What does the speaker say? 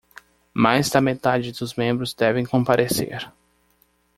Mais da metade dos membros deve comparecer